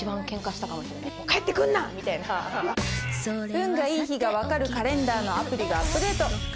運がいい日がわかるカレンダーのアプリがアップデート。